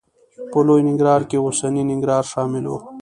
په لوی ننګرهار کې اوسنی ننګرهار شامل و.